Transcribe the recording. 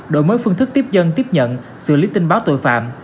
đổi mới phương thức tiếp dân tiếp nhận xử lý tin báo tội phạm